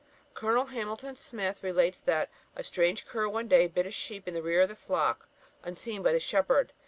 Col. Hamilton Smith relates that a strange cur one day bit a sheep in rear of the flock, unseen by the shepherd.